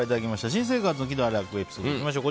新生活の喜怒哀楽エピソードにいきましょう。